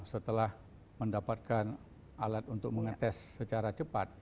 setelah mendapatkan alat untuk mengetes secara cepat